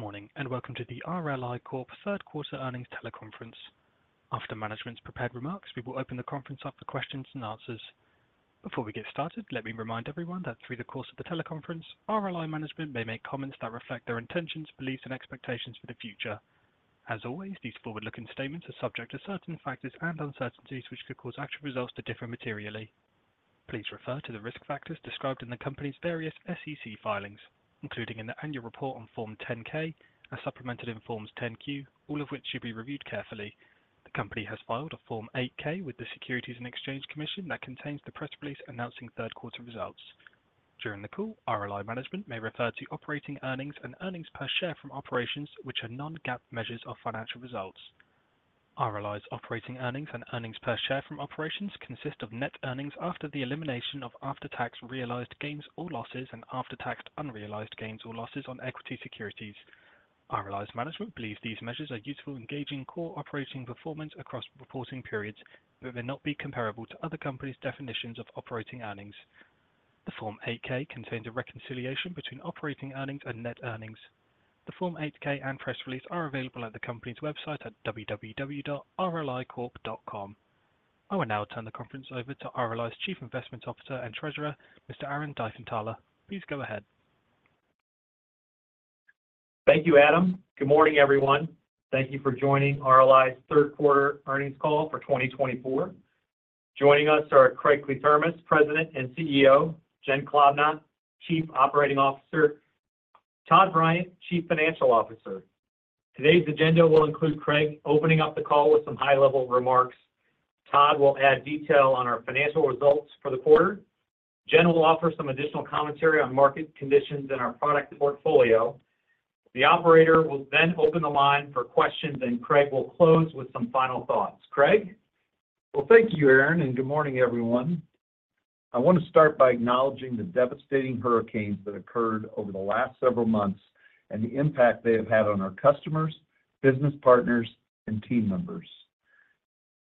Good morning, and welcome to the RLI Corp third quarter earnings teleconference. After management's prepared remarks, we will open the conference up for questions and answers. Before we get started, let me remind everyone that through the course of the teleconference, RLI management may make comments that reflect their intentions, beliefs, and expectations for the future. As always, these forward-looking statements are subject to certain factors and uncertainties, which could cause actual results to differ materially. Please refer to the risk factors described in the company's various SEC filings, including in the annual report on Form 10-K and supplemented in Forms 10-Q, all of which should be reviewed carefully. The company has filed a Form 8-K with the Securities and Exchange Commission that contains the press release announcing Q3 results. During the call, RLI management may refer to operating earnings and earnings per share from operations, which are non-GAAP measures of financial results. RLI's operating earnings and earnings per share from operations consist of net earnings after the elimination of after-tax realized gains or losses and after-tax unrealized gains or losses on equity securities. RLI's management believes these measures are useful in gauging core operating performance across reporting periods, but may not be comparable to other companies' definitions of operating earnings. The Form 8-K contains a reconciliation between operating earnings and net earnings. The Form 8-K and press release are available at the company's website at www.rlicorp.com. I will now turn the conference over to RLI's Chief Investment Officer and Treasurer, Mr. Aaron Diefenthaler. Please go ahead. Thank you, Adam. Good morning, everyone. Thank you for joining RLI's third quarter earnings call for 2024. Joining us are Craig Kliethermes, President and CEO, Jen Klobnak, Chief Operating Officer, Todd Bryant, Chief Financial Officer. Today's agenda will include Craig opening up the call with some high-level remarks. Todd will add detail on our financial results for the quarter. Jen will offer some additional commentary on market conditions and our product portfolio. The operator will then open the line for questions, and Craig will close with some final thoughts. Craig? Thank you, Aaron, and good morning, everyone. I want to start by acknowledging the devastating hurricanes that occurred over the last several months and the impact they have had on our customers, business partners, and team members.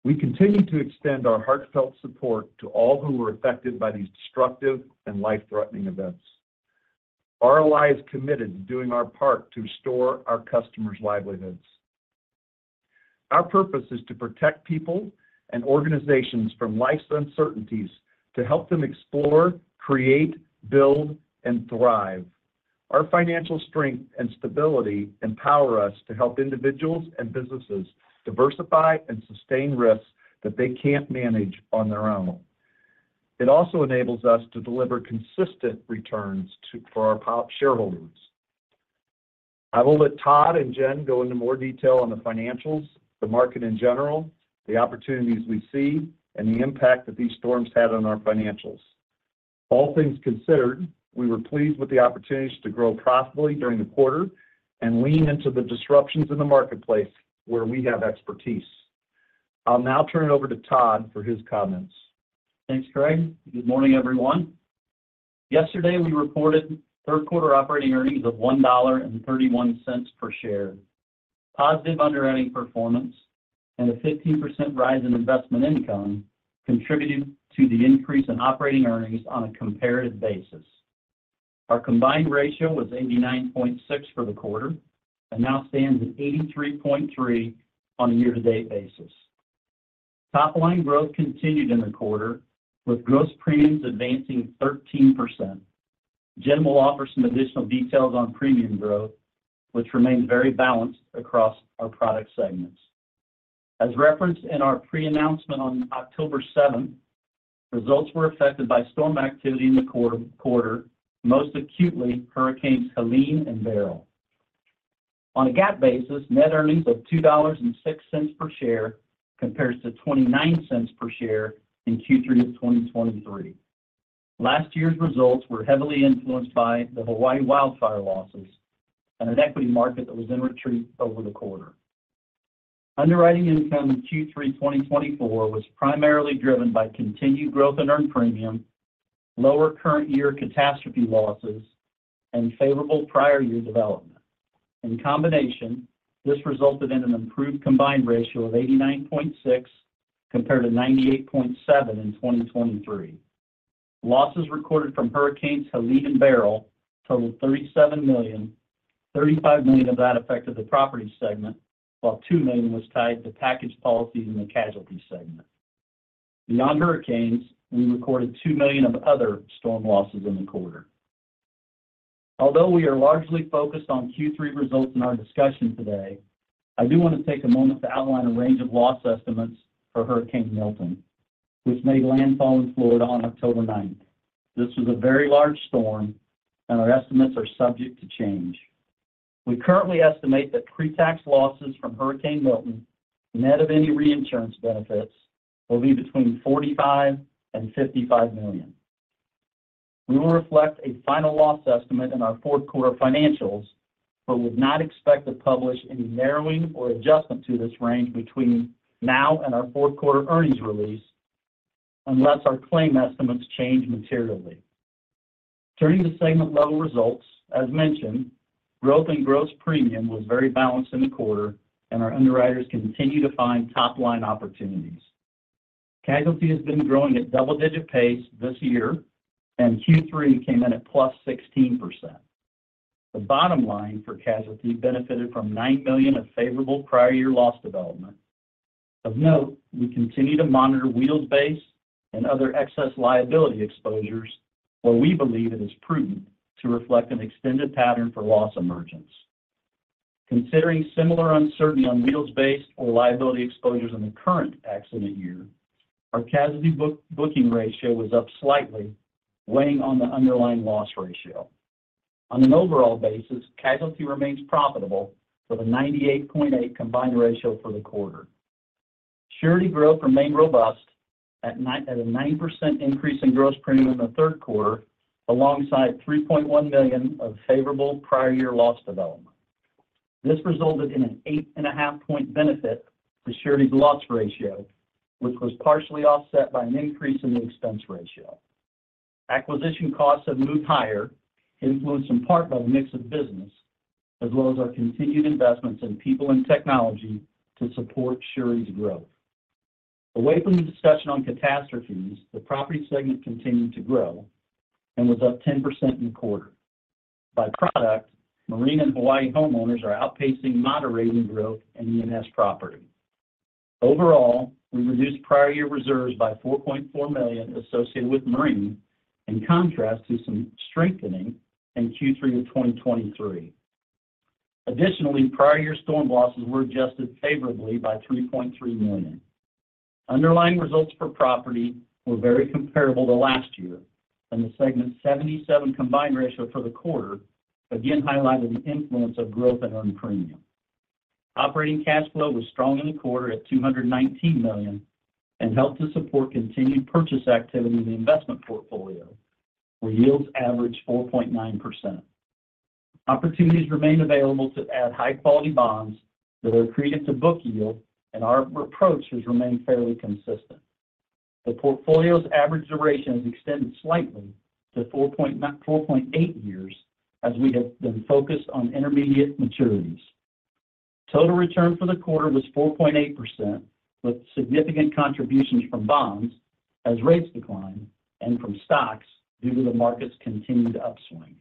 We continue to extend our heartfelt support to all who were affected by these destructive and life-threatening events. RLI is committed to doing our part to restore our customers' livelihoods. Our purpose is to protect people and organizations from life's uncertainties, to help them explore, create, build, and thrive. Our financial strength and stability empower us to help individuals and businesses diversify and sustain risks that they can't manage on their own. It also enables us to deliver consistent returns to our shareholders. I will let Todd and Jen go into more detail on the financials, the market in general, the opportunities we see, and the impact that these storms had on our financials. All things considered, we were pleased with the opportunities to grow profitably during the quarter and lean into the disruptions in the marketplace where we have expertise. I'll now turn it over to Todd for his comments. Thanks, Craig. Good morning, everyone. Yesterday, we reported third quarter operating earnings of $1.31 per share. Positive underwriting performance and a 15% rise in investment income contributed to the increase in operating earnings on a comparative basis. Our combined ratio was 89.6 for the quarter and now stands at 83.3 on a year-to-date basis. Top line growth continued in the quarter, with gross premiums advancing 13%. Jen will offer some additional details on premium growth, which remains very balanced across our product segments. As referenced in our pre-announcement on October seventh, results were affected by storm activity in the quarter, most acutely, Hurricanes Helene and Beryl. On a GAAP basis, net earnings of $2.06 per share compares to $0.29 per share in Q3 of 2023. Last year's results were heavily influenced by the Hawaii wildfire losses and an equity market that was in retreat over the quarter. Underwriting income in Q3 2024, was primarily driven by continued growth in earned premium, lower current year catastrophe losses, and favorable prior year development. In combination, this resulted in an improved combined ratio of 89.6%, compared to 98.7% in 2023. Losses recorded from Hurricanes Helene and Beryl totaled $37 million, $35 million of that affected the property segment, while $2 million was tied to package policies in the casualty segment. Beyond hurricanes, we recorded $2 million of other storm losses in the quarter. Although we are largely focused on Q3 results in our discussion today, I do want to take a moment to outline a range of loss estimates for Hurricane Milton, which made landfall in Florida on October ninth. This was a very large storm and our estimates are subject to change. We currently estimate that pre-tax losses from Hurricane Milton, net of any reinsurance benefits, will be between $45 and $55 million. We will reflect a final loss estimate in our fourth quarter financials, but would not expect to publish any narrowing or adjustment to this range between now and our fourth quarter earnings release, unless our claim estimates change materially. Turning to segment-level results, as mentioned, growth in gross premium was very balanced in the quarter, and our underwriters continue to find top-line opportunities. Casualty has been growing at double-digit pace this year, and Q3 came in at +16%. The bottom line for Casualty benefited from $9 million of favorable prior year loss development. Of note, we continue to monitor wheels-based and other excess liability exposures, where we believe it is prudent to reflect an extended pattern for loss emergence. Considering similar uncertainty on wheels-based or liability exposures in the current accident year, our casualty booking ratio was up slightly, weighing on the underlying loss ratio. On an overall basis, Casualty remains profitable with a 98.8% combined ratio for the quarter. Surety growth remained robust at a 90% increase in gross premium in the third quarter, alongside $3.1 million of favorable prior year loss development. This resulted in an 8.5-point benefit to Surety's loss ratio, which was partially offset by an increase in the expense ratio. Acquisition costs have moved higher, influenced in part by the mix of business, as well as our continued investments in people and technology to support Surety's growth. Away from the discussion on catastrophes, the Property segment continued to grow and was up 10% in quarter. By product, Marine and Hawaii homeowners are outpacing moderating growth in E&S property. Overall, we reduced prior year reserves by $4.4 million associated with Marine, in contrast to some strengthening in Q3 of 2023. Additionally, prior year storm losses were adjusted favorably by $3.3 million. Underlying results for Property were very comparable to last year, and the segment's 77% combined ratio for the quarter again highlighted the influence of growth in earned premium. Operating cash flow was strong in the quarter at $219 million and helped to support continued purchase activity in the investment portfolio, where yields averaged 4.9%. Opportunities remain available to add high-quality bonds that are accretive to book yield, and our approaches remain fairly consistent. The portfolio's average duration has extended slightly to 4.8 years, as we have been focused on intermediate maturities. Total return for the quarter was 4.8%, with significant contributions from bonds as rates decline and from stocks due to the market's continued upswing.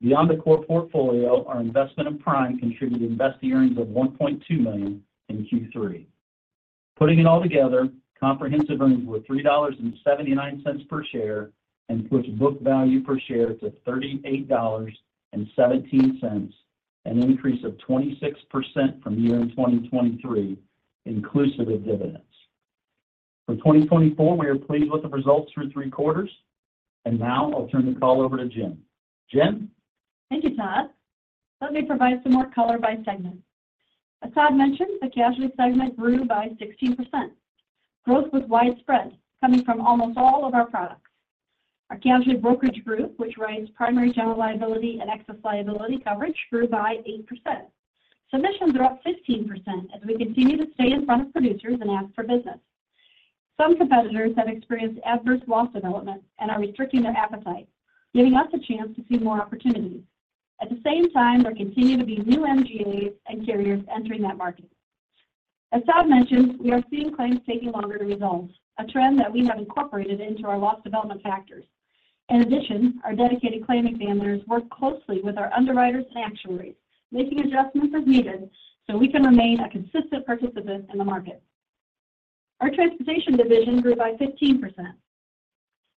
Beyond the core portfolio, our investment in Prime contributed investment earnings of $1.2 million in Q3. Putting it all together, comprehensive earnings were $3.79 per share and pushed book value per share to $38.17, an increase of 26% from year-end 2023, inclusive of dividends. For 2024, we are pleased with the results through three quarters, and now I'll turn the call over to Jen. Jen? Thank you, Todd. Let me provide some more color by segment. As Todd mentioned, the Casualty segment grew by 16%. Growth was widespread, coming from almost all of our products. Our Casualty Brokerage Group, which writes primary general liability and excess liability coverage, grew by 8%. Submissions are up 15% as we continue to stay in front of producers and ask for business. Some competitors have experienced adverse loss development and are restricting their appetite, giving us a chance to see more opportunities. At the same time, there continue to be new MGAs and carriers entering that market. As Todd mentioned, we are seeing claims taking longer to resolve, a trend that we have incorporated into our loss development factors. In addition, our dedicated claim examiners work closely with our underwriters and actuaries, making adjustments as needed, so we can remain a consistent participant in the market. Our transportation division grew by 15%.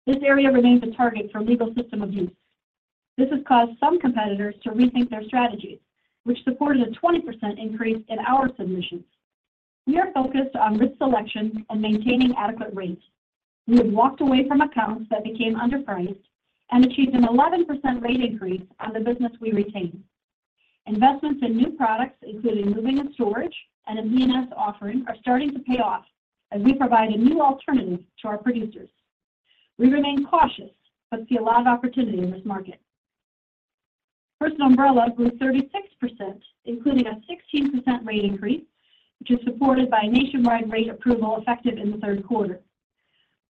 This area remains a target for legal system abuse. This has caused some competitors to rethink their strategies, which supported a 20% increase in our submissions. We are focused on risk selection and maintaining adequate rates. We have walked away from accounts that became underpriced and achieved an 11% rate increase on the business we retained. Investments in new products, including Moving and Storage and a D&O offering, are starting to pay off as we provide a new alternative to our producers. We remain cautious, but see a lot of opportunity in this market. Personal Umbrella grew 36%, including a 16% rate increase, which is supported by a nationwide rate approval effective in the Q3.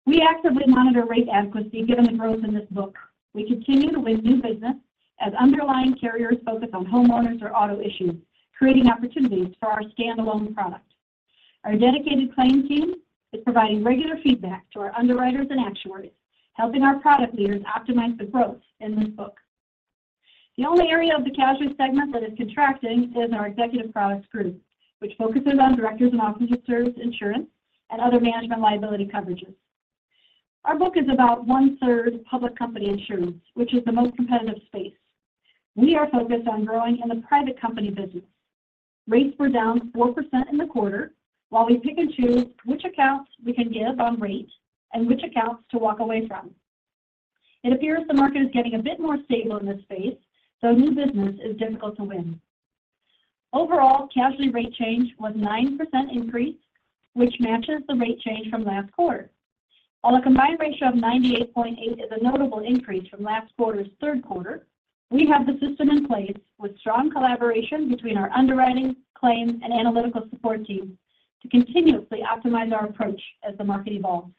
We actively monitor rate adequacy, given the growth in this book. We continue to win new business as underlying carriers focus on homeowners or auto issues, creating opportunities for our standalone product. Our dedicated claim team is providing regular feedback to our underwriters and actuaries, helping our product leaders optimize the growth in this book. The only area of the Casualty segment that is contracting is our Executive Products Group, which focuses on Directors and Officers insurance and other management liability coverages. Our book is about one-third public company insurance, which is the most competitive space. We are focused on growing in the private company business. Rates were down 4% in the quarter, while we pick and choose which accounts we can give on rate and which accounts to walk away from. It appears the market is getting a bit more stable in this space, so new business is difficult to win. Overall, casualty rate change was 9% increase, which matches the rate change from last quarter. While a combined ratio of 98.8 is a notable increase from last quarter's third quarter, we have the system in place, with strong collaboration between our underwriting, claims, and analytical support teams, to continuously optimize our approach as the market evolves.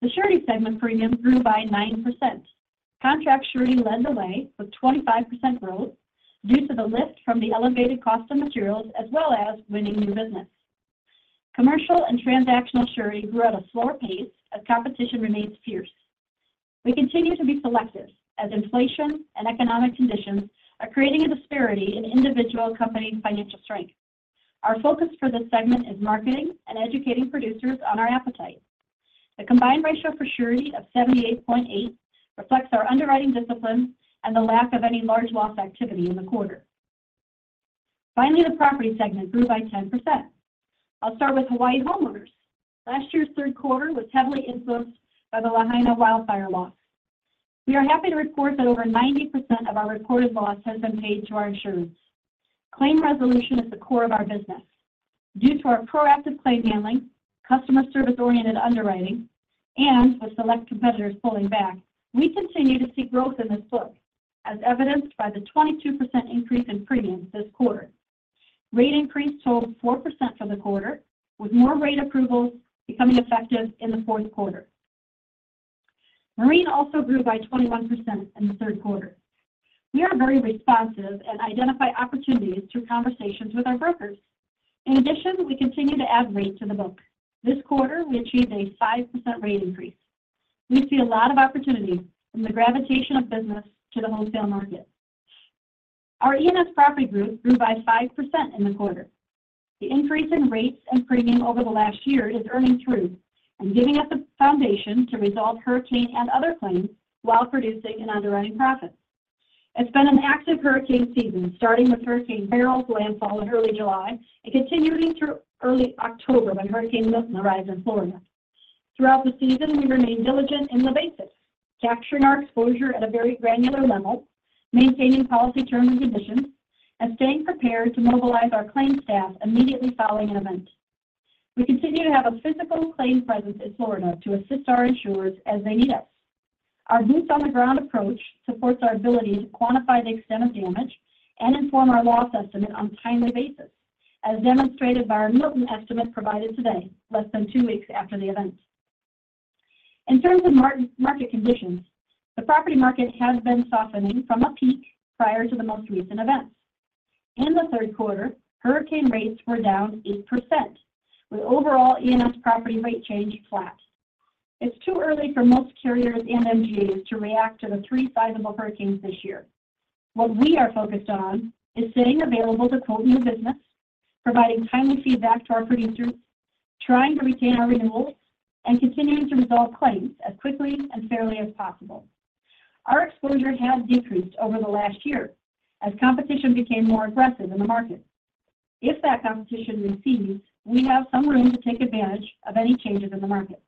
The Surety segment premium grew by 9%. Contract Surety led the way with 25% growth due to the lift from the elevated cost of materials, as well as winning new business. Commercial and Transactional Surety grew at a slower pace as competition remains fierce. We continue to be selective as inflation and economic conditions are creating a disparity in individual company financial strength. Our focus for this segment is marketing and educating producers on our appetite. The combined ratio for Surety of 78.8 reflects our underwriting discipline and the lack of any large loss activity in the quarter. Finally, the Property segment grew by 10%. I'll start with Hawaii Homeowners. Last year's third quarter was heavily influenced by the Lahaina wildfire loss. We are happy to report that over 90% of our reported loss has been paid to our insureds. Claim resolution is the core of our business. Due to our proactive claim handling, customer service-oriented underwriting, and with select competitors pulling back, we continue to see growth in this book, as evidenced by the 22% increase in premiums this quarter. Rate increase totaled 4% for the quarter, with more rate approvals becoming effective in the fourth quarter. Marine also grew by 21% in the Q3. We are very responsive and identify opportunities through conversations with our brokers. In addition, we continue to add rate to the book. This quarter, we achieved a 5% rate increase. We see a lot of opportunities in the gravitation of business to the wholesale market. Our E&S Property group grew by 5% in the quarter. The increase in rates and premium over the last year is earning through and giving us a foundation to resolve hurricane and other claims while producing an underwriting profit. It's been an active hurricane season, starting with Hurricane Beryl's landfall in early July and continuing through early October when Hurricane Milton arrived in Florida. Throughout the season, we remained diligent in the basics, capturing our exposure at a very granular level, maintaining policy terms and conditions, and staying prepared to mobilize our claim staff immediately following an event. We continue to have a physical claims presence in Florida to assist our insurers as they need us. Our boots-on-the-ground approach supports our ability to quantify the extent of damage and inform our loss estimate on a timely basis, as demonstrated by our Milton estimate provided today, less than two weeks after the event. In terms of market conditions, the property market has been softening from a peak prior to the most recent events. In the third quarter, hurricane rates were down 8%, with overall E&S property rate change flat. It's too early for most carriers and MGAs to react to the three sizable hurricanes this year. What we are focused on is staying available to quote new business, providing timely feedback to our producers, trying to retain our renewals, and continuing to resolve claims as quickly and fairly as possible. Our exposure has decreased over the last year as competition became more aggressive in the market. If that competition recedes, we have some room to take advantage of any changes in the market.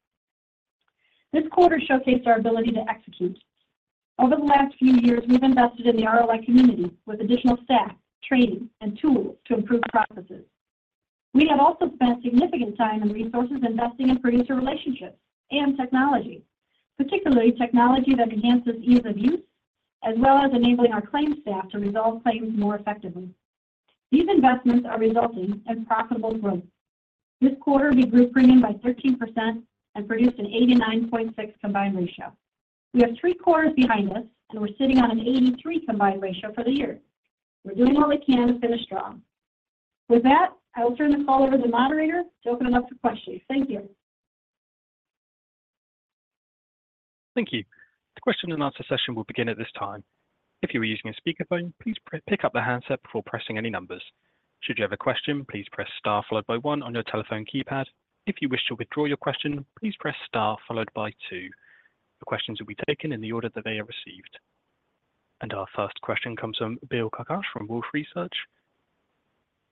This quarter showcased our ability to execute. Over the last few years, we've invested in the RLI community with additional staff, training, and tools to improve processes. We have also spent significant time and resources investing in producer relationships and technology, particularly technology that enhances ease of use, as well as enabling our claims staff to resolve claims more effectively. These investments are resulting in profitable growth. This quarter, we grew premium by 13% and produced an 89.6 combined ratio. We have three quarters behind us, and we're sitting on an 83 combined ratio for the year. We're doing all we can to finish strong. With that, I will turn the call over to the Operator to open it up for questions. Thank you. Thank you. The question and answer session will begin at this time. If you are using a speakerphone, please pick up the handset before pressing any numbers. Should you have a question, please press star followed by one on your telephone keypad. If you wish to withdraw your question, please press star followed by two. The questions will be taken in the order that they are received. And our first question comes from Bill Carcache from Wolfe Research.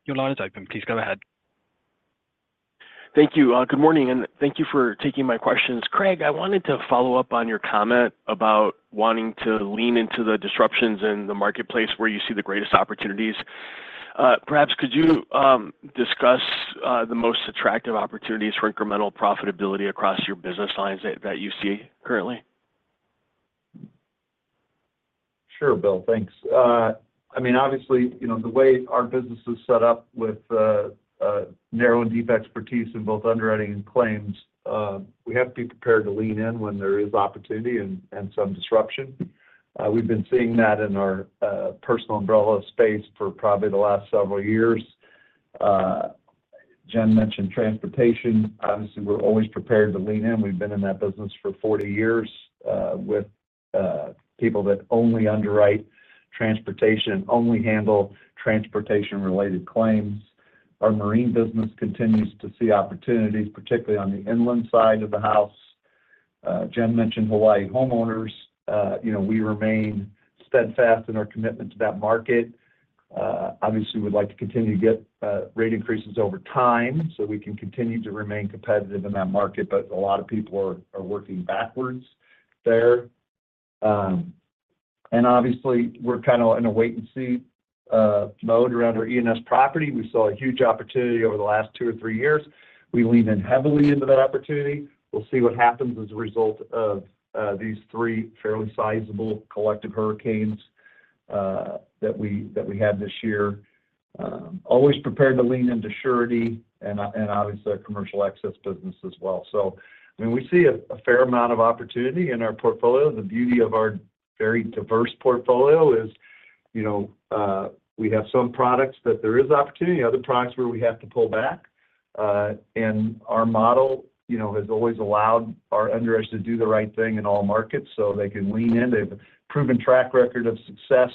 Your line is open. Please go ahead. Thank you. Good morning, and thank you for taking my questions. Craig, I wanted to follow up on your comment about wanting to lean into the disruptions in the marketplace where you see the greatest opportunities. Perhaps could you discuss the most attractive opportunities for incremental profitability across your business lines that you see currently? Sure, Bill. Thanks. I mean, obviously, you know, the way our business is set up with narrow and deep expertise in both underwriting and claims, we have to be prepared to lean in when there is opportunity and some disruption. We've been seeing that in our personal umbrella space for probably the last several years. Jen mentioned transportation. Obviously, we're always prepared to lean in. We've been in that business for 40 years, with people that only underwrite transportation, only handle transportation-related claims. Our marine business continues to see opportunities, particularly on the inland side of the house. Jen mentioned Hawaii homeowners. You know, we remain steadfast in our commitment to that market. Obviously, we'd like to continue to get rate increases over time, so we can continue to remain competitive in that market, but a lot of people are working backwards there, and obviously, we're kind of in a wait-and-see mode around our E&S property. We saw a huge opportunity over the last two or three years. We lean in heavily into that opportunity. We'll see what happens as a result of these three fairly sizable collective hurricanes that we had this year. Always prepared to lean into surety and obviously our commercial excess business as well, so I mean, we see a fair amount of opportunity in our portfolio. The beauty of our very diverse portfolio is, you know, we have some products that there is opportunity, other products where we have to pull back. And our model, you know, has always allowed our underwriters to do the right thing in all markets, so they can lean in. They have a proven track record of success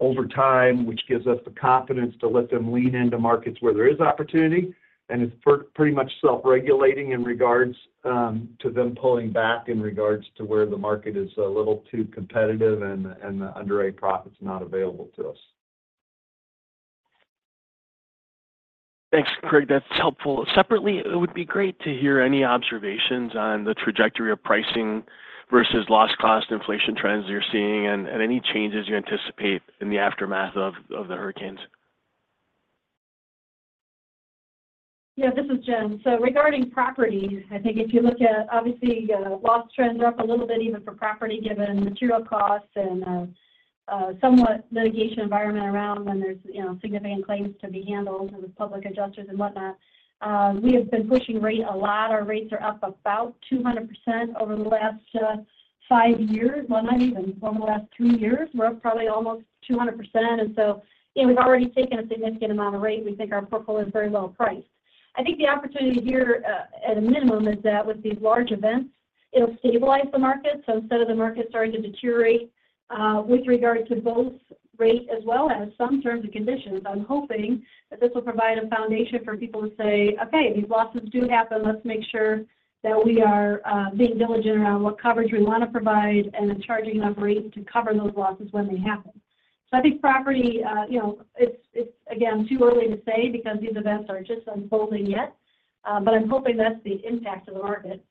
over time, which gives us the confidence to let them lean into markets where there is opportunity, and it's pretty much self-regulating in regards to them pulling back in regards to where the market is a little too competitive and the underwriter profit is not available to us. Thanks, Craig. That's helpful. Separately, it would be great to hear any observations on the trajectory of pricing versus loss cost inflation trends you're seeing, and any changes you anticipate in the aftermath of the hurricanes. Yeah, this is Jen. So regarding property, I think if you look at obviously loss trends are up a little bit, even for property, given material costs and somewhat litigation environment around when there's, you know, significant claims to be handled and with public adjusters and whatnot. We have been pushing rate a lot. Our rates are up about 200% over the last five years. Well, not even, over the last two years, we're up probably almost 200%. And so, you know, we've already taken a significant amount of rate. We think our portfolio is very well priced. I think the opportunity here at a minimum is that with these large events, it'll stabilize the market. So instead of the market starting to deteriorate with regard to both rate as well as some terms and conditions, I'm hoping that this will provide a foundation for people to say, "Okay, these losses do happen. Let's make sure that we are being diligent around what coverage we want to provide and then charging enough rate to cover those losses when they happen." So I think property, you know, it's again too early to say because these events are just unfolding yet, but I'm hoping that's the impact of the market.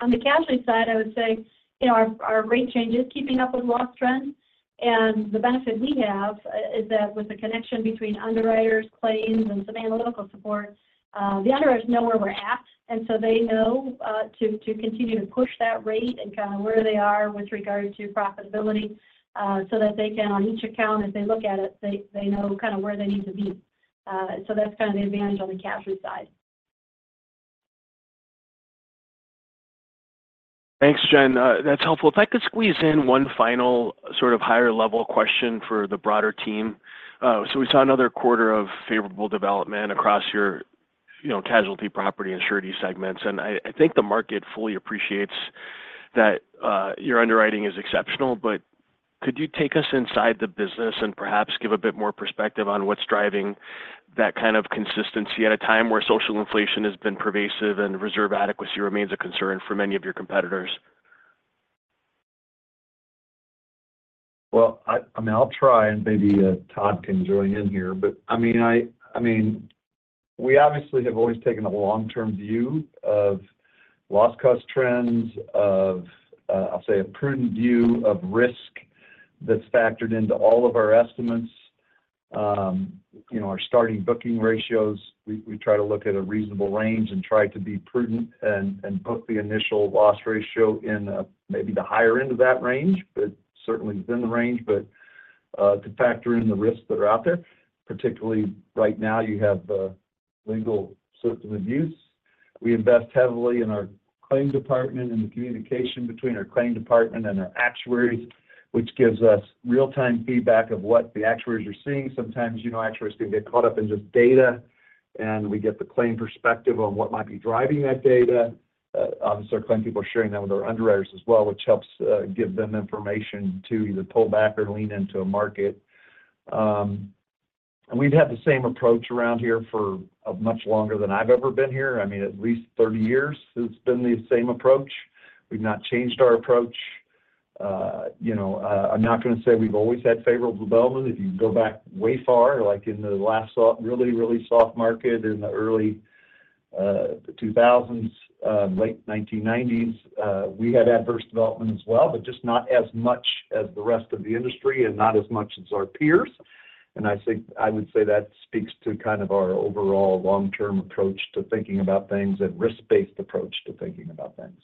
On the casualty side, I would say, you know, our rate change is keeping up with loss trends. The benefit we have is that with the connection between underwriters, claims, and some analytical support, the underwriters know where we're at, and so they know to continue to push that rate and kind of where they are with regard to profitability, so that they can, on each account, as they look at it, they know kind of where they need to be. So that's kind of the advantage on the casualty side. Thanks, Jen. That's helpful. If I could squeeze in one final sort of higher level question for the broader team. So we saw another quarter of favorable development across your, you know, casualty, property and surety segments, and I think the market fully appreciates that, your underwriting is exceptional, but could you take us inside the business and perhaps give a bit more perspective on what's driving that kind of consistency at a time where social inflation has been pervasive and reserve adequacy remains a concern for many of your competitors? Well, I mean, I'll try and maybe Todd can join in here, but I mean, we obviously have always taken a long-term view of loss cost trends of, I'll say, a prudent view of risk that's factored into all of our estimates. You know, our starting booking ratios, we try to look at a reasonable range and try to be prudent and book the initial loss ratio in, maybe the higher end of that range, but certainly within the range, but to factor in the risks that are out there, particularly right now, you have legal system abuse. We invest heavily in our claim department and the communication between our claim department and our actuaries, which gives us real-time feedback of what the actuaries are seeing. Sometimes, you know, actuaries can get caught up in just data, and we get the claim perspective on what might be driving that data. Obviously, our claim people are sharing that with our underwriters as well, which helps, give them information to either pull back or lean into a market. And we've had the same approach around here for, much longer than I've ever been here. I mean, at least thirty years, it's been the same approach. We've not changed our approach. You know, I'm not going to say we've always had favorable development. If you go back way far, like in the last soft, really, really soft market in the early, two thousands, late nineteen nineties, we had adverse development as well, but just not as much as the rest of the industry and not as much as our peers. I think, I would say that speaks to kind of our overall long-term approach to thinking about things and risk-based approach to thinking about things.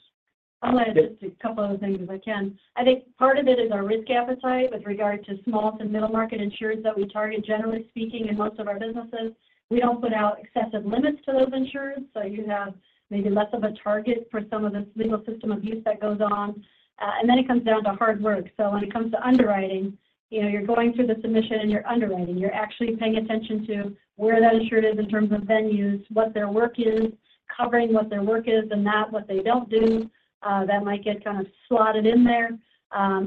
I'll add just a couple other things, if I can. I think part of it is our risk appetite with regard to small to middle market insured that we target. Generally speaking, in most of our businesses, we don't put out excessive limits to those insured, so you have maybe less of a target for some of this Legal System Abuse that goes on. And then it comes down to hard work. So when it comes to underwriting, you know, you're going through the submission and you're underwriting. You're actually paying attention to where that insured is in terms of venues, what their work is, covering what their work is, and not what they don't do, that might get kind of slotted in there.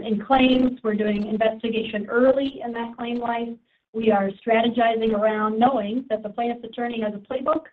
In claims, we're doing investigation early in that claim life. We are strategizing around knowing that the plaintiff's attorney has a playbook,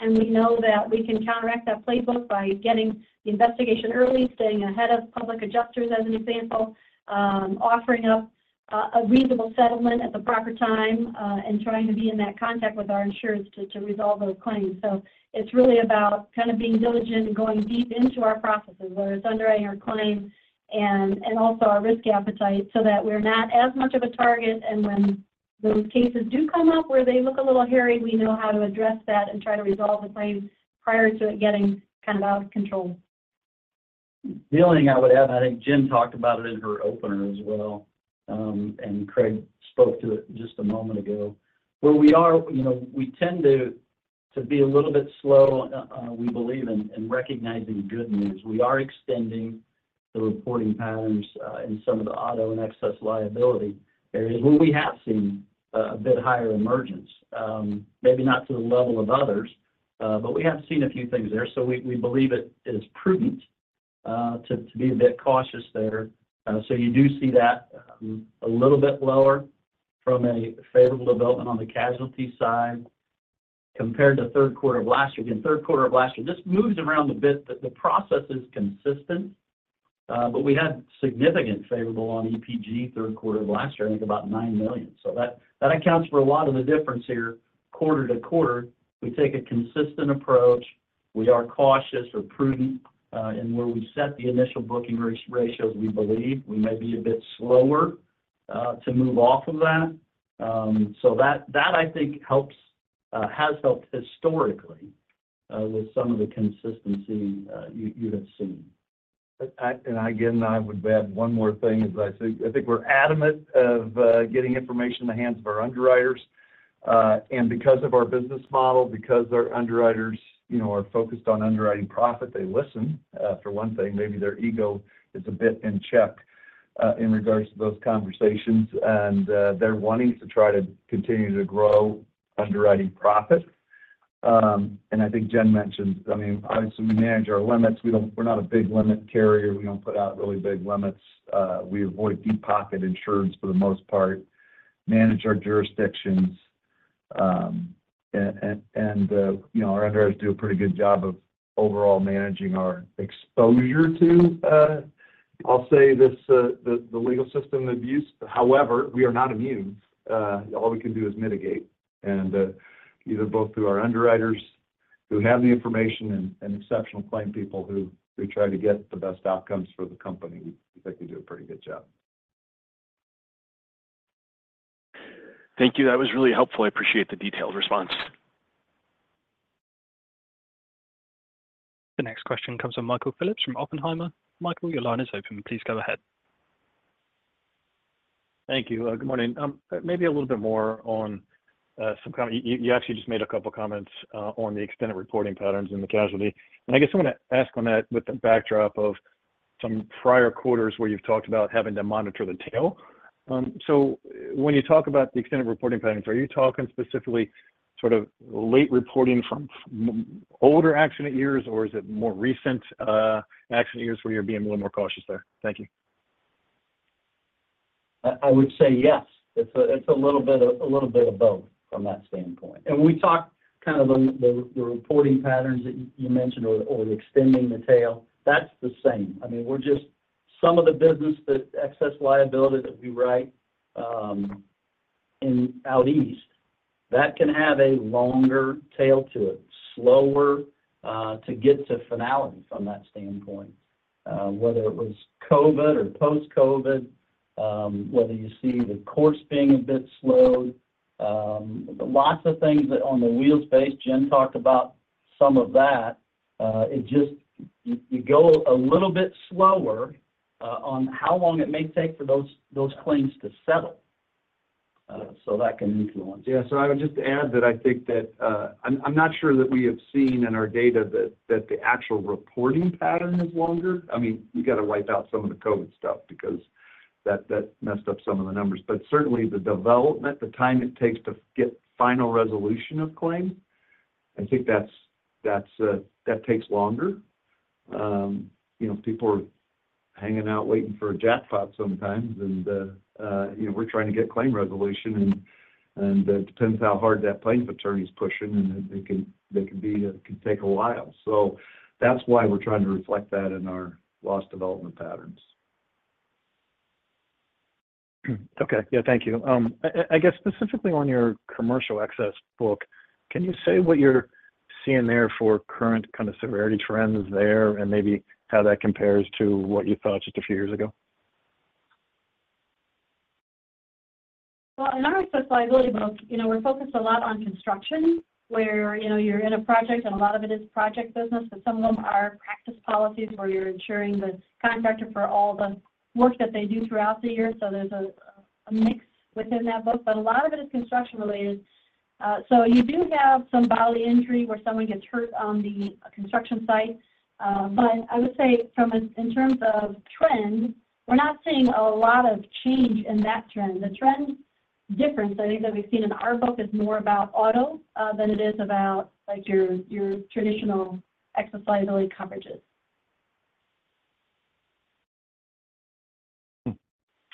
and we know that we can counteract that playbook by getting the investigation early, staying ahead of public adjusters, as an example, offering up a reasonable settlement at the proper time, and trying to be in that contact with our insured to resolve those claims. So it's really about kind of being diligent and going deep into our processes, whether it's underwriting our claims and also our risk appetite, so that we're not as much of a target, and when those cases do come up, where they look a little hairy, we know how to address that and try to resolve the claims prior to it getting kind of out of control. The only thing I would add, I think Jen talked about it in her opener as well, and Craig spoke to it just a moment ago, where we are, you know, we tend to be a little bit slow on, we believe in recognizing good news. We are extending the reporting patterns in some of the auto and excess liability areas where we have seen a bit higher emergence. Maybe not to the level of others, but we have seen a few things there. So we believe it is prudent to be a bit cautious there. So you do see that, a little bit lower from a favorable development on the casualty side compared to third quarter of last year. Again, third quarter of last year, just moved around a bit, but the process is consistent. But we had significant favorable on EPG third quarter of last year, I think about $9 million. So that accounts for a lot of the difference here. Quarter to quarter, we take a consistent approach. We are cautious or prudent in where we set the initial booking ratios. We believe we may be a bit slower to move off of that. So that I think helps, has helped historically, with some of the consistency you have seen. But I, and again, I would add one more thing. As I say, I think we're adamant of getting information in the hands of our underwriters. And because of our business model, because our underwriters, you know, are focused on underwriting profit, they listen for one thing. Maybe their ego is a bit in check in regards to those conversations. And they're wanting to try to continue to grow underwriting profit. And I think Jen mentioned, I mean, obviously, we manage our limits. We don't. We're not a big limit carrier. We don't put out really big limits. We avoid deep pocket insurance for the most part, manage our jurisdictions, and you know, our underwriters do a pretty good job of overall managing our exposure to, I'll say this, the legal system abuse. However, we are not immune. All we can do is mitigate, and either both through our underwriters who have the information and exceptional claim people who try to get the best outcomes for the company. I think they do a pretty good job. Thank you. That was really helpful. I appreciate the detailed response. The next question comes from Michael Phillips from Oppenheimer. Michael, your line is open. Please go ahead. Thank you. Good morning. Maybe a little bit more on some comment. You actually just made a couple comments on the extended reporting patterns in the casualty. And I guess I'm going to ask on that with the backdrop of some prior quarters, where you've talked about having to monitor the tail. So when you talk about the extended reporting patterns, are you talking specifically sort of late reporting from older accident years, or is it more recent accident years, where you're being a little more cautious there? Thank you. I would say yes. It's a little bit of both from that standpoint. And when we talk kind of the reporting patterns that you mentioned or extending the tail, that's the same. I mean, we're just... Some of the business, the excess liability that we write in out east, that can have a longer tail to it, slower to get to finality from that standpoint. Whether it was COVID or post-COVID, whether you see the courts being a bit slow, lots of things that on the wheels space, Jen talked about some of that. It just, you go a little bit slower on how long it may take for those claims to settle. So that can influence. Yeah. So I would just add that I think that, I'm not sure that we have seen in our data that the actual reporting pattern is longer. I mean, you got to wipe out some of the COVID stuff because that messed up some of the numbers. But certainly, the development, the time it takes to get final resolution of claims, I think that's that takes longer. You know, people are hanging out waiting for a jackpot sometimes, and you know, we're trying to get claim resolution, and it depends how hard that plaintiff attorney is pushing, and it can take a while. So that's why we're trying to reflect that in our loss development patterns. Okay. Yeah, thank you. I guess specifically on your commercial excess book, can you say what you're seeing there for current kind of severity trends there, and maybe how that compares to what you thought just a few years ago? In our excess liability book, you know, we're focused a lot on construction, where, you know, you're in a project, and a lot of it is project business, but some of them are practice policies, where you're insuring the contractor for all the work that they do throughout the year, so there's a mix within that book, but a lot of it is construction related, so you do have some bodily injury, where someone gets hurt on the construction site, but I would say from a in terms of trends, we're not seeing a lot of change in that trend. The trend difference, I think, that we've seen in our book is more about auto than it is about, like, your traditional excess liability coverages. Hmm.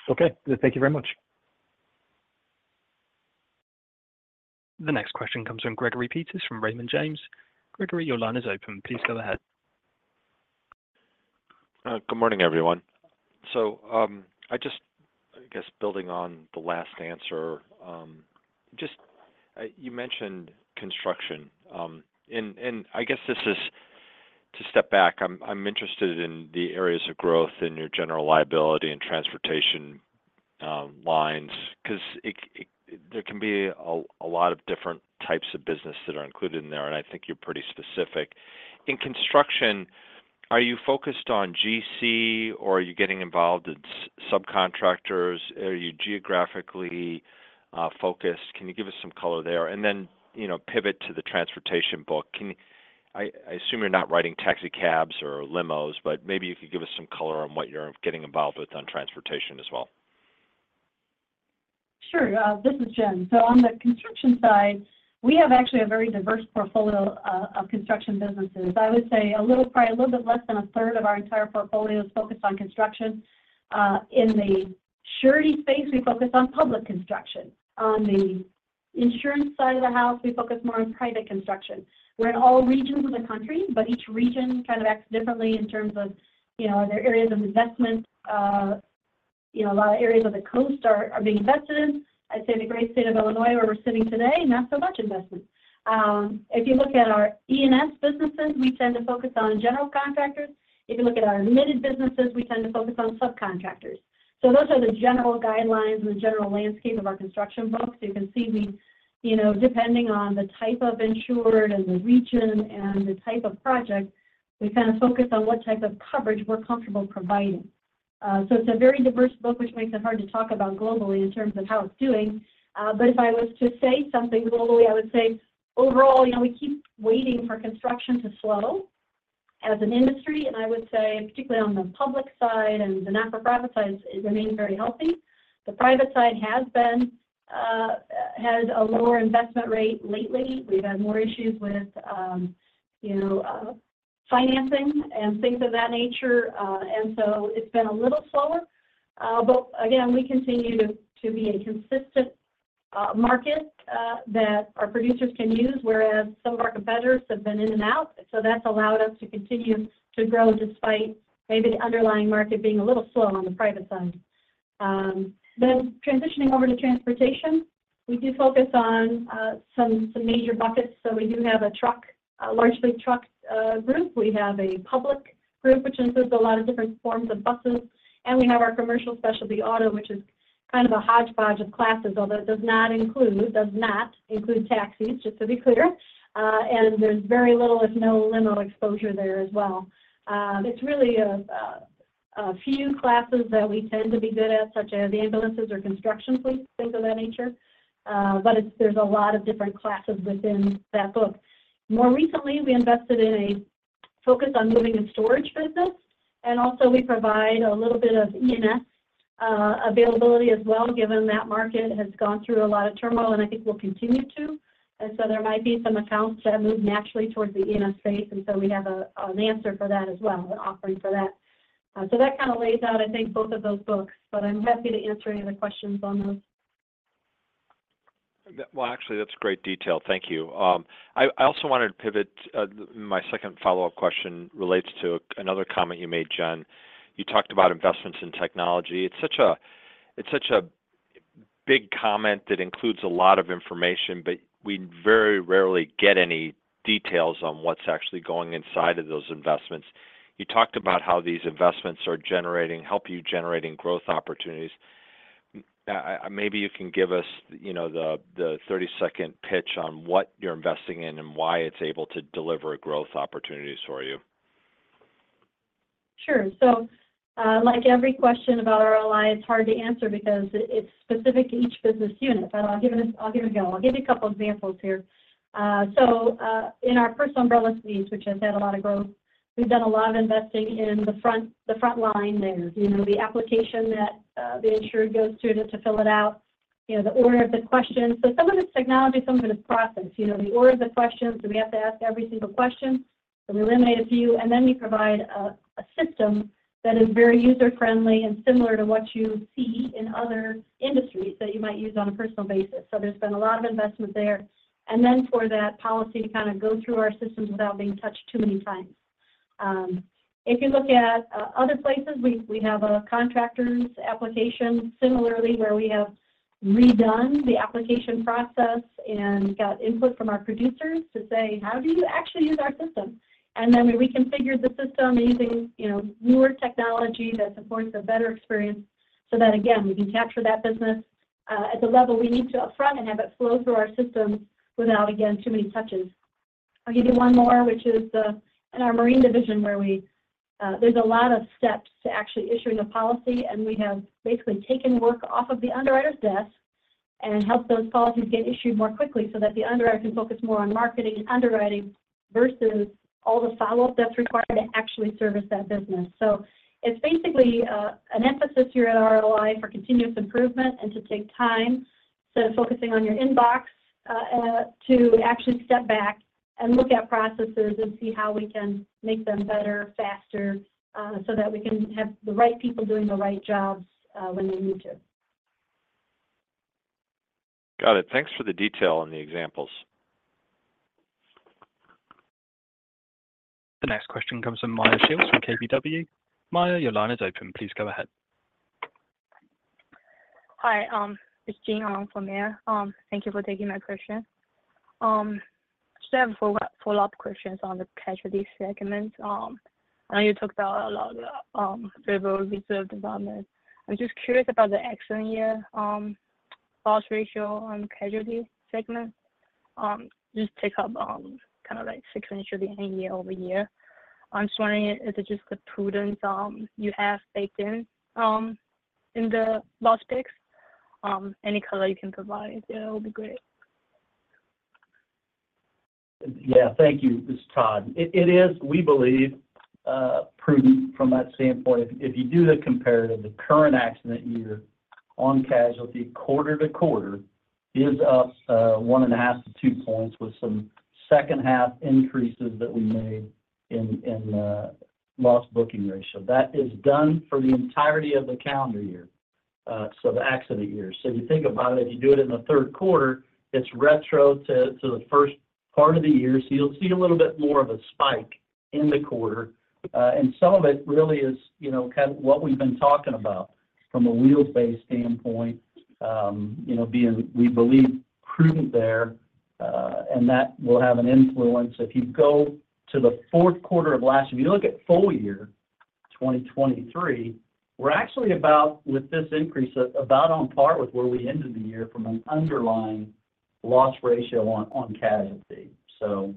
Okay, thank you very much. The next question comes from Gregory Peters from Raymond James. Gregory, your line is open. Please go ahead. Good morning, everyone. I guess building on the last answer, you mentioned construction. And I guess this is to step back. I'm interested in the areas of growth in your general liability and transportation lines, 'cause it, there can be a lot of different types of business that are included in there, and I think you're pretty specific. In construction, are you focused on GC, or are you getting involved in subcontractors? Are you geographically focused? Can you give us some color there? And then, you know, pivot to the transportation book. I assume you're not writing taxi cabs or limos, but maybe you could give us some color on what you're getting involved with on transportation as well. Sure. This is Jen. So on the construction side, we have actually a very diverse portfolio of construction businesses. I would say a little, probably a little bit less than a third of our entire portfolio is focused on construction. In the surety space, we focus on public construction. On the insurance side of the house, we focus more on private construction. We're in all regions of the country, but each region kind of acts differently in terms of, you know, their areas of investment. You know, a lot of areas of the coast are being invested in. I'd say the great state of Illinois, where we're sitting today, not so much investment. If you look at our E&S businesses, we tend to focus on general contractors. If you look at our admitted businesses, we tend to focus on subcontractors. So those are the general guidelines and the general landscape of our construction book. So you can see we, you know, depending on the type of insured and the region and the type of project, we kind of focus on what type of coverage we're comfortable providing. So it's a very diverse book, which makes it hard to talk about globally in terms of how it's doing. But if I was to say something globally, I would say overall, you know, we keep waiting for construction to slow as an industry. And I would say, particularly on the public side and the not-for-profit side, it remains very healthy. The private side has been, has a lower investment rate lately. We've had more issues with, you know, financing and things of that nature. And so it's been a little slower. But again, we continue to be a consistent market that our producers can use, whereas some of our competitors have been in and out, so that's allowed us to continue to grow despite maybe the underlying market being a little slow on the private side, then transitioning over to transportation, we do focus on some major buckets, so we do have a truck, a large fleet truck group. We have a public group, which includes a lot of different forms of buses, and we have our commercial specialty auto, which is kind of a hodgepodge of classes, although it does not include taxis, just to be clear, and there's very little, if any, limo exposure there as well. It's really a few classes that we tend to be good at, such as ambulances or construction fleets, things of that nature. But it's. There's a lot of different classes within that book. More recently, we invested in a focus on Moving and Storage business, and also we provide a little bit of E&S availability as well, given that market has gone through a lot of turmoil, and I think will continue to, and so there might be some accounts that move naturally towards the E&S space, and so we have an answer for that as well, an offering for that, so that kind of lays out, I think, both of those books, but I'm happy to answer any other questions on those. Well, actually, that's great detail. Thank you. I also wanted to pivot. My second follow-up question relates to another comment you made, Jen. You talked about investments in technology. It's such a, it's such a big comment that includes a lot of information, but we very rarely get any details on what's actually going inside of those investments. You talked about how these investments are generating, help you generating growth opportunities. Maybe you can give us, you know, the thirty-second pitch on what you're investing in and why it's able to deliver growth opportunities for you. Sure. So, like every question about RLI, it's hard to answer because it's specific to each business unit. But I'll give you this, I'll give it a go. I'll give you a couple examples here. So, in our personal umbrella space, which has had a lot of growth, we've done a lot of investing in the front, the front line there. You know, the application that the insured goes through to fill it out, you know, the order of the questions. So some of it's technology, some of it is process. You know, the order of the questions, do we have to ask every single question, or we eliminate a few? And then we provide a system that is very user-friendly and similar to what you see in other industries that you might use on a personal basis. There's been a lot of investment there. Then for that policy to kind of go through our systems without being touched too many times. If you look at other places, we have a contractor's application, similarly, where we have redone the application process and got input from our producers to say: How do you actually use our system? We reconfigured the system using, you know, newer technology that supports a better experience, so that again, we can capture that business at the level we need to upfront and have it flow through our system without, again, too many touches. I'll give you one more, which is the in our marine division, where we there's a lot of steps to actually issuing a policy, and we have basically taken work off of the underwriter's desk and helped those policies get issued more quickly so that the underwriter can focus more on marketing and underwriting versus all the follow-up that's required to actually service that business. So it's basically an emphasis here at RLI for continuous improvement and to take time, instead of focusing on your inbox, to actually step back and look at processes and see how we can make them better, faster, so that we can have the right people doing the right jobs when they need to. Got it. Thanks for the detail and the examples. The next question comes from Meyer Shields from KBW. Meyer, your line is open. Please go ahead. Hi, it's Jean from Meyer. Thank you for taking my question. Just have a follow up, follow-up questions on the casualty segment. I know you talked about a lot of the favorable reserve development. I'm just curious about the accident year loss ratio on casualty segment. Just tick up kind of like six initially the end year-over-year. I'm just wondering if it's just the prudence you have baked in in the loss picks. Any color you can provide, yeah, it would be great. Yeah. Thank you. This is Todd. It is, we believe, prudent from that standpoint. If you do the comparative, the current accident year on casualty, quarter to quarter, gives us one and a half to two points with some second half increases that we made in loss booking ratio. That is done for the entirety of the calendar year, so the accident year. So if you think about it, if you do it in the third quarter, it's retro to the first part of the year, so you'll see a little bit more of a spike in the quarter. And some of it really is, you know, kind of what we've been talking about from a wheels-based standpoint. You know, being, we believe, prudent there, and that will have an influence. If you go to the fourth quarter of last year. If you look at full year, 2023, we're actually about, with this increase, about on par with where we ended the year from an underlying loss ratio on casualty. So,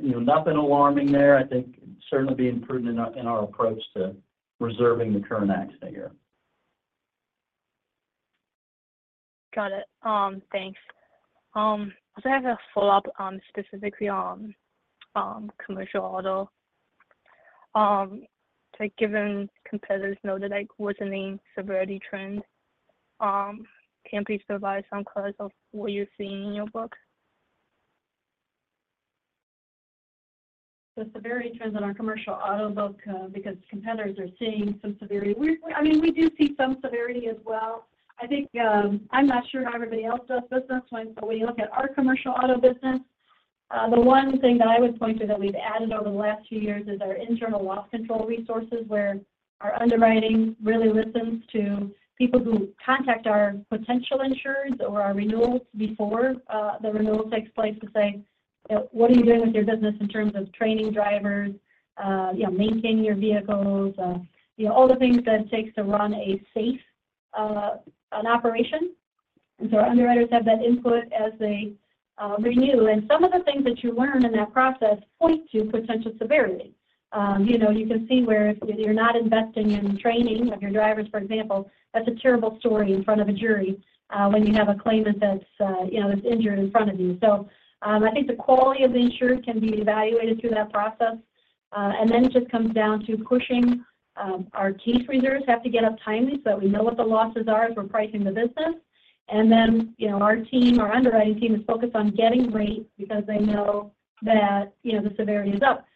you know, nothing alarming there. I think certainly being prudent in our approach to reserving the current accident year. Got it. Thanks. I also have a follow-up, specifically on commercial auto. So given competitors know that, like, worsening severity trend, can you please provide some colors of what you're seeing in your book? The severity trends in our commercial auto book, because competitors are seeing some severity. We, I mean, we do see some severity as well. I think, I'm not sure how everybody else does business, but when you look at our commercial auto business, the one thing that I would point to that we've added over the last few years is our internal loss control resources, where our underwriting really listens to people who contact our potential insureds or our renewals before the renewal takes place, to say, "What are you doing with your business in terms of training drivers? You know, maintaining your vehicles." You know, all the things that it takes to run a safe operation. And so our underwriters have that input as they renew. Some of the things that you learn in that process point to potential severity. You know, you can see where if you're not investing in training of your drivers, for example, that's a terrible story in front of a jury, when you have a claimant that's, you know, that's injured in front of you. I think the quality of the insured can be evaluated through that process. It just comes down to pushing, our case reserves have to get up timely, so that we know what the losses are as we're pricing the business. Our team, our underwriting team, is focused on getting rates because they know that, you know, the severity is up.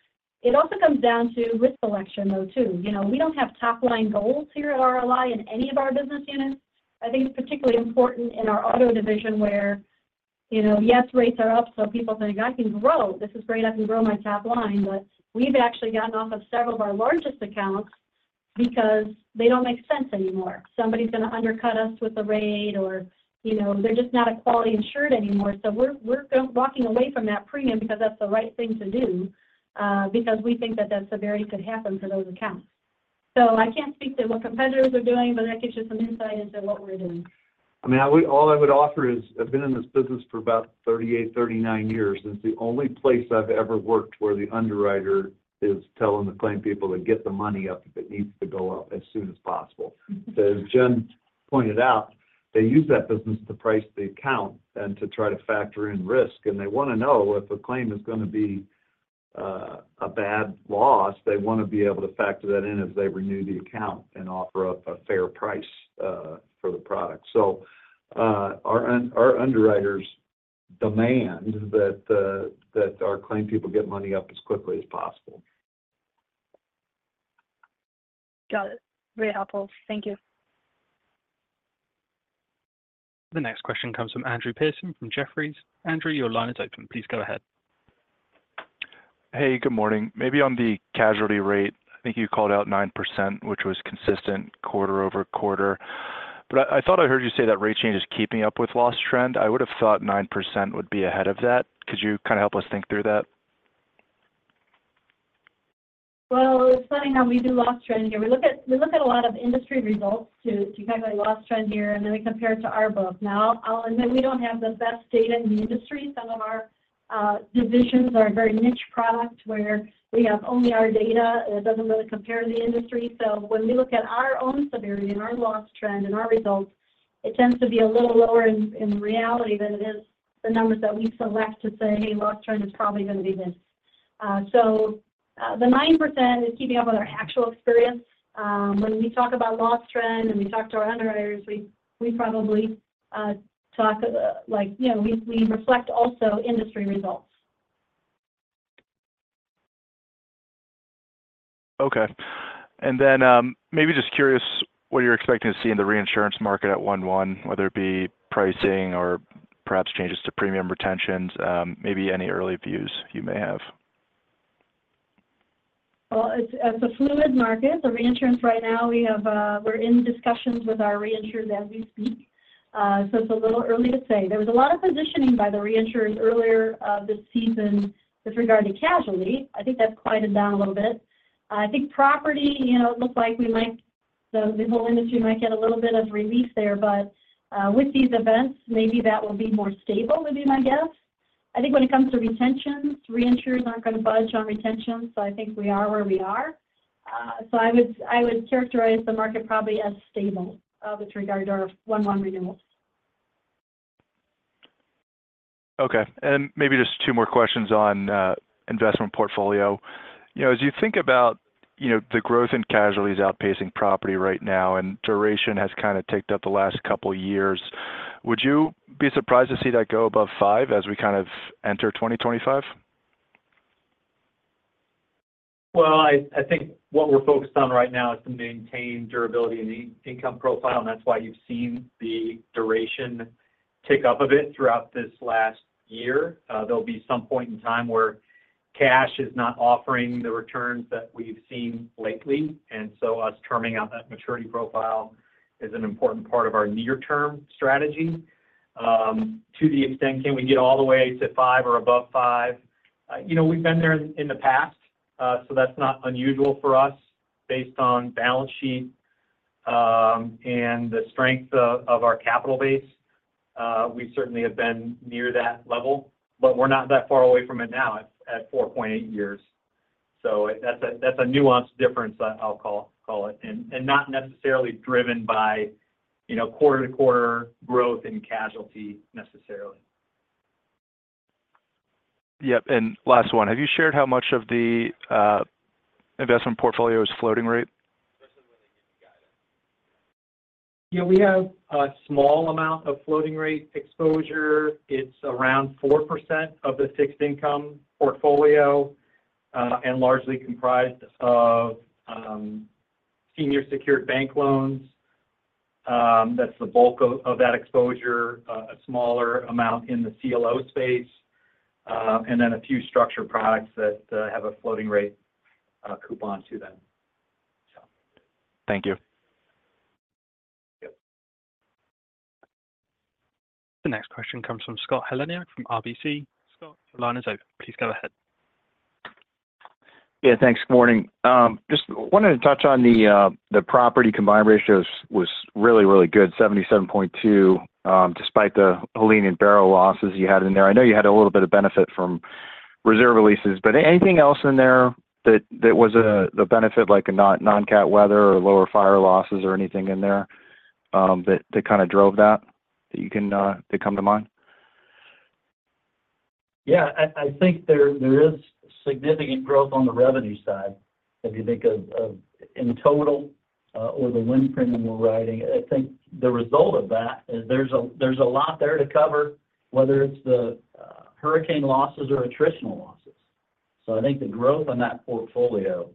It also comes down to risk selection, though, too. You know, we don't have top-line goals here at RLI in any of our business units. I think it's particularly important in our auto division where, you know, yes, rates are up, so people think, "I can grow. This is great. I can grow my top line." But we've actually gotten off of several of our largest accounts because they don't make sense anymore. Somebody's going to undercut us with a rate or, you know, they're just not a quality insured anymore. So we're walking away from that premium because that's the right thing to do, because we think that that severity could happen to those accounts. So I can't speak to what competitors are doing, but that gives you some insight into what we're doing. I mean, all I would offer is, I've been in this business for about thirty-eight, thirty-nine years, and it's the only place I've ever worked where the underwriter is telling the claim people to get the money up if it needs to go up as soon as possible. So as Jen pointed out, they use that business to price the account and to try to factor in risk, and they want to know if a claim is going to be a bad loss. They want to be able to factor that in as they renew the account and offer up a fair price for the product. So, our underwriters demand that our claim people get money up as quickly as possible. Got it. Very helpful. Thank you. The next question comes from Andrew Andersen, from Jefferies. Andrew, your line is open. Please go ahead. Hey, good morning. Maybe on the casualty rate, I think you called out 9%, which was consistent quarter over quarter. But I, I thought I heard you say that rate change is keeping up with loss trend. I would've thought 9% would be ahead of that. Could you kind of help us think through that? It's funny how we do loss trend here. We look at a lot of industry results to calculate loss trend year, and then we compare it to our book. Now, I'll admit we don't have the best data in the industry. Some of our divisions are a very niche product where we have only our data, and it doesn't really compare to the industry. So when we look at our own severity and our loss trend and our results, it tends to be a little lower in reality than it is the numbers that we select to say, "Hey, loss trend is probably going to be this." So, the 9% is keeping up with our actual experience. When we talk about loss trend, and we talk to our underwriters, we probably talk, like, you know, we reflect also industry results. Okay. And then, maybe just curious what you're expecting to see in the reinsurance market at 1/1, whether it be pricing or perhaps changes to premium retentions, maybe any early views you may have? It's a fluid market. The reinsurance right now, we have, we're in discussions with our reinsurers as we speak, so it's a little early to say. There was a lot of positioning by the reinsurers earlier this season with regard to casualty. I think that's quieted down a little bit. I think property, you know, it looks like we might, the whole industry might get a little bit of relief there, but with these events, maybe that will be more stable, would be my guess. I think when it comes to retentions, reinsurers aren't gonna budge on retention, so I think we are where we are. So I would characterize the market probably as stable with regard to our 1/1 renewals. Okay. And maybe just two more questions on investment portfolio. You know, as you think about, you know, the growth in casualtyoutpacing property right now, and duration has kind of ticked up the last couple of years, would you be surprised to see that go above five as we kind of enter 2025? I think what we're focused on right now is to maintain durability in the income profile, and that's why you've seen the duration tick up a bit throughout this last year. There'll be some point in time where cash is not offering the returns that we've seen lately, and so us terming out that maturity profile is an important part of our near-term strategy. To the extent, can we get all the way to five or above five? You know, we've been there in the past, so that's not unusual for us based on balance sheet and the strength of our capital base. We certainly have been near that level, but we're not that far away from it now at four point eight years. So that's a nuanced difference, I'll call it, and not necessarily driven by, you know, quarter-to-quarter growth in casualty necessarily. Yep, and last one. Have you shared how much of the investment portfolio is floating rate? Yeah, we have a small amount of floating rate exposure. It's around 4% of the fixed income portfolio, and largely comprised of senior secured bank loans. That's the bulk of that exposure, a smaller amount in the CLO space, and then a few structured products that have a floating rate coupon to them. So. Thank you. Yep. The next question comes from Scott Heleniak from RBC. Scott, your line is open. Please go ahead. Yeah, thanks. Morning. Just wanted to touch on the, the property combined ratios was really, really good, 77.2%, despite the Helene and Beryl losses you had in there. I know you had a little bit of benefit from reserve releases, but anything else in there that, that was a, the benefit, like a non, non-cat weather or lower fire losses or anything in there, that, that kind of drove that, that you can, that come to mind? Yeah, I think there is significant growth on the revenue side. If you think of in total, or the wind premium we're writing, I think the result of that is there's a lot there to cover, whether it's the hurricane losses or attritional losses. So I think the growth on that portfolio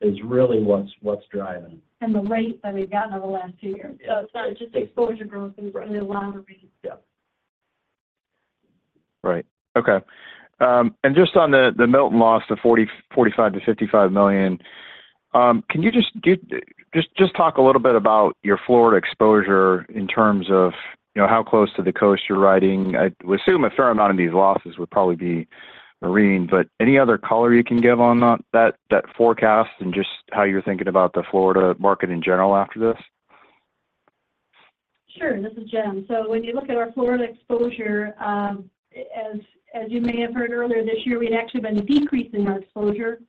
is really what's driving. And the rates that we've gotten over the last two years. Sorry, just exposure growth and a lot of reasons. Yeah. Right. Okay. And just on the Milton loss of $45 million-$55 million, can you just give... Just talk a little bit about your Florida exposure in terms of, you know, how close to the coast you're writing? I would assume a fair amount of these losses would probably be marine, but any other color you can give on that forecast and just how you're thinking about the Florida market in general after this? Sure. This is Jen. So when you look at our Florida exposure, as you may have heard earlier this year, we'd actually been decreasing our exposure,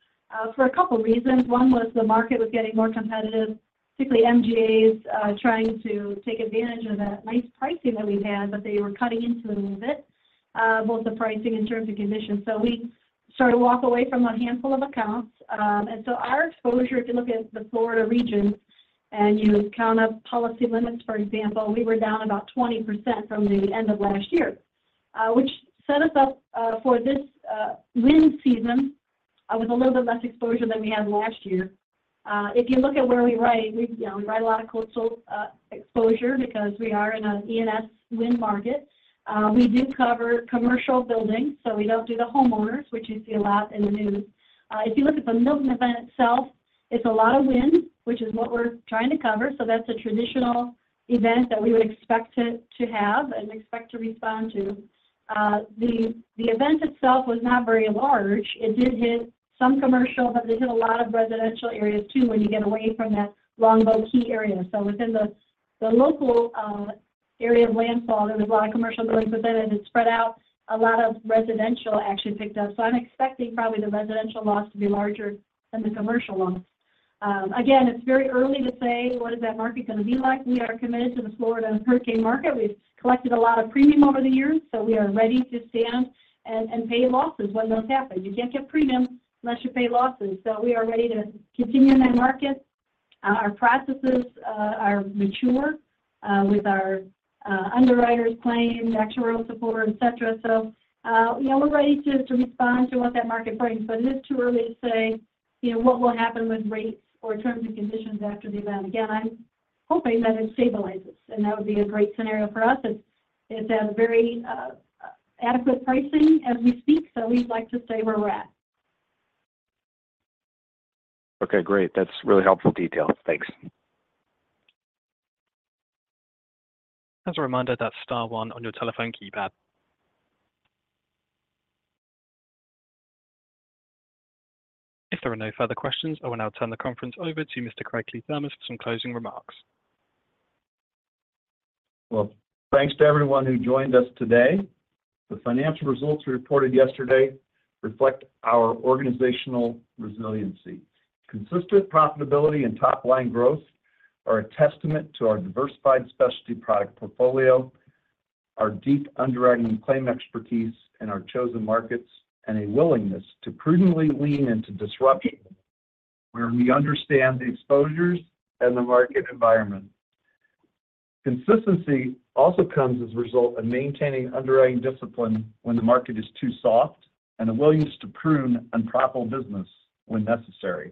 for a couple reasons. One was the market was getting more competitive, particularly MGAs, trying to take advantage of that nice pricing that we've had, but they were cutting into it a little bit, both the pricing and terms and conditions. So we started to walk away from a handful of accounts. And so our exposure, if you look at the Florida region and you count up policy limits, for example, we were down about 20% from the end of last year, which set us up, for this, wind season, with a little bit less exposure than we had last year. If you look at where we write, we, you know, we write a lot of coastal exposure because we are in an E&S wind market. We do cover commercial buildings, so we don't do the homeowners, which you see a lot in the news. If you look at the Milton event itself, it's a lot of wind, which is what we're trying to cover. So that's a traditional event that we would expect it to have and expect to respond to. The event itself was not very large. It did hit some commercial, but they hit a lot of residential areas, too, when you get away from that Longboat Key area. So within the local area of landfall, there was a lot of commercial buildings, but then it spread out. A lot of residential actually picked up. So I'm expecting probably the residential loss to be larger than the commercial ones. Again, it's very early to say what is that market gonna be like. We are committed to the Florida hurricane market. We've collected a lot of premium over the years, so we are ready to stand and pay losses when those happen. You can't get premium unless you pay losses, so we are ready to continue in that market. Our processes are mature with our underwriters, claims, actuarial support, et cetera. So, you know, we're ready to respond to what that market brings, but it is too early to say, you know, what will happen with rates or terms and conditions after the event. Again, I'm hoping that it stabilizes, and that would be a great scenario for us. It's at a very adequate pricing as we speak, so we'd like to stay where we're at. Okay, great. That's really helpful detail. Thanks. As a reminder, that's star one on your telephone keypad. If there are no further questions, I will now turn the conference over to Mr. Craig Kliethermes for some closing remarks. Thanks to everyone who joined us today. The financial results we reported yesterday reflect our organizational resiliency. Consistent profitability and top-line growth are a testament to our diversified specialty product portfolio, our deep underwriting and claim expertise in our chosen markets, and a willingness to prudently lean into disruption where we understand the exposures and the market environment. Consistency also comes as a result of maintaining underwriting discipline when the market is too soft and a willingness to prune unprofitable business when necessary.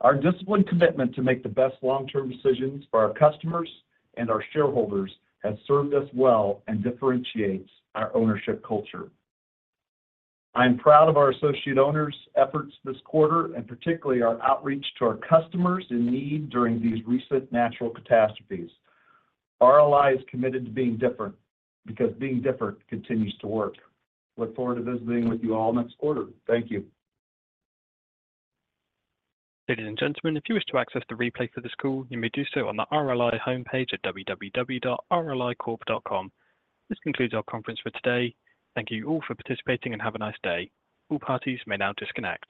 Our disciplined commitment to make the best long-term decisions for our customers and our shareholders has served us well and differentiates our ownership culture. I'm proud of our associate owners' efforts this quarter, and particularly our outreach to our customers in need during these recent natural catastrophes. RLI is committed to being different, because being different continues to work. Look forward to visiting with you all next quarter. Thank you. Ladies and gentlemen, if you wish to access the replay for this call, you may do so on the RLI homepage at www.rlicorp.com. This concludes our conference for today. Thank you all for participating and have a nice day. All parties may now disconnect.